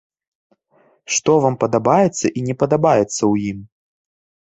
Што вам падабаецца і не падабаецца ў ім?